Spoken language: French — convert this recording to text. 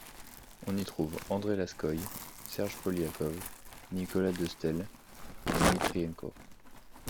On y trouve André Lanskoy, Serge Poliakoff, Nicolas de Staël et Dmitrienko.